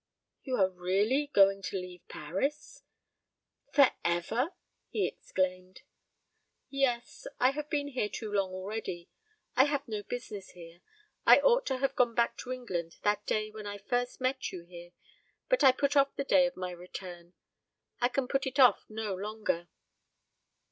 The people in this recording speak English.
"You are really going to leave Paris? for ever?" he exclaimed. "Yes. I have been here too long already. I have no business here. I ought to have gone back to England that day when I first met you here, but I put off the day of my return. I can put it off no longer."